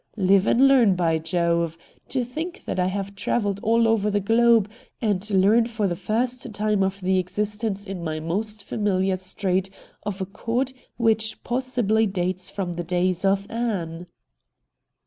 Live and learn, by Jove ! To think that I have travelled all over the globe, and learn for the first time of the existence in my most familiar street of a court which possibly dates from the days of Anne.'